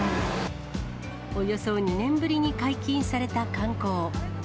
およそ２年ぶりに解禁された観光。